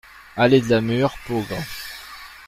Allée de la Mûre, Peaugres